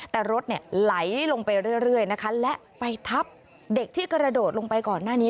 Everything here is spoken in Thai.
แต่รถไหลลงไปเรื่อยนะคะและไปทับเด็กที่กระโดดลงไปก่อนหน้านี้